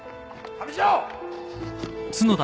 上条！